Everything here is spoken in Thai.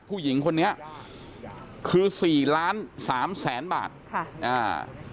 ผู้หญิงคนนี้คือสี่ล้านสามแสนบาทค่ะอ่า